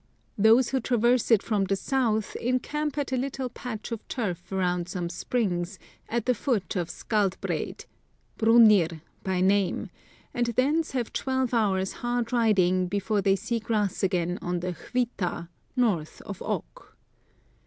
Those who traverse it from the south encamp at a little patch of turf around some springs, at the foot of Skjaldbreid, Brunnir by name, and thence have twelve hours' hard riding before they see grass again on the Hvitd, north of Ok.